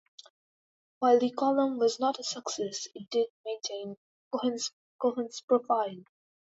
While that column was not a success, it did maintain Cohen's profile.